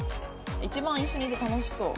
「一番一緒にいて楽しそう」。